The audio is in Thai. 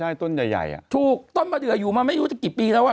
ต้นใหญ่ใหญ่อ่ะถูกต้นมะเดืออยู่มาไม่รู้จะกี่ปีแล้วอ่ะ